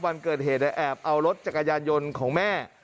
วันเกิดเหตุแอบเอารถจักรยานยนต์ของแม่